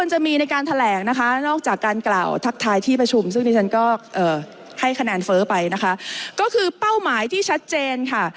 ให้คะแนนเฟ้อไปนะคะก็คือเป้าหมายที่ชัดเจนค่ะ